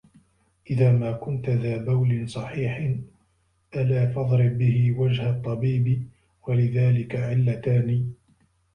إذَا مَا كُنْتَ ذَا بَوْلٍ صَحِيحٍ أَلَا فَاضْرِبْ بِهِ وَجْهَ الطَّبِيبِ وَلِذَلِكَ عِلَّتَانِ